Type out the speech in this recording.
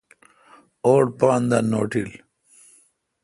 اوڈ پان دا نوٹل۔